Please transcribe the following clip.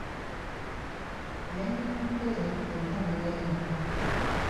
Yannyonnyodde embalirira yonna.